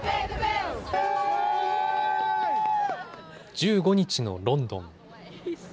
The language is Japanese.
１５日のロンドン。